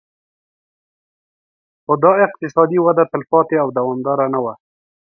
خو دا اقتصادي وده تلپاتې او دوامداره نه وه